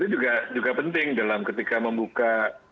dan itu juga penting dalam ketika membuka